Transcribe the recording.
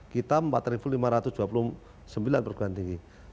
kita empat lima ratus dua puluh sembilan perguruan tinggi